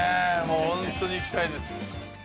ホントにいきたいです